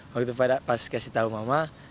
waktu pas kasih tau mama